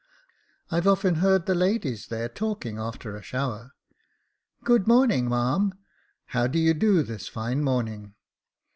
I've often heard the ladies there talking after a shower :—' Good morning, marm. How do you do this line morning